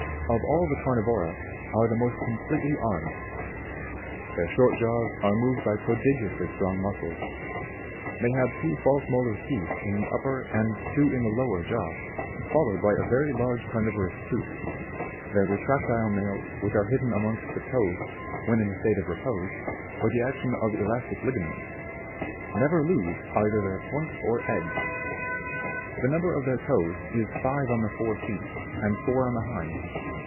of all the carnivora, are the most completely armed : their short jaws are moved by prodigiously strong muscles (Plate 3, jig. 5;) they have two false molar teeth in the upper and two in the lower jaw, followed by a very large carnivorous tooth ; their retractile nails, which are hidden amongst the toes when in a state of repose by the action of elastic ligaments, never lose either their point or edge. (Plate 3, fiy. 6.) The number of their toes is five on the four feet, and four on the hind.